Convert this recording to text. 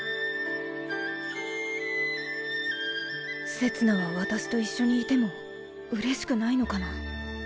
せつなは私と一緒にいても嬉しくないのかな？